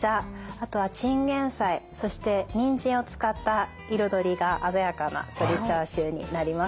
あとはチンゲンサイそしてニンジンを使った彩りが鮮やかな鶏チャーシューになります。